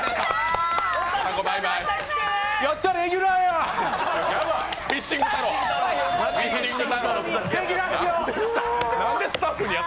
やった、レギュラーや！